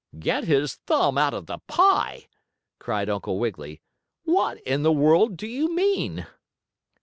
"Get his thumb out of the pie!" cried Uncle Wiggily. "What in the world do you mean?"